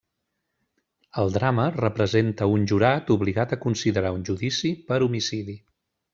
El drama representa un jurat obligat a considerar un judici per homicidi.